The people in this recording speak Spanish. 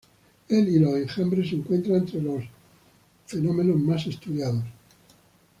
El y los enjambres se encuentran entre los los fenómenos más estudiados.